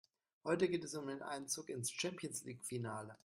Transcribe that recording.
Heute geht es um den Einzug ins Champions-League-Finale.